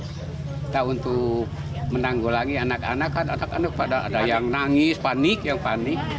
kita untuk menanggulangi anak anak kan anak anak pada ada yang nangis panik yang panik